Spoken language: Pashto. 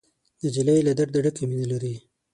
نجلۍ له درده ډکه مینه لري.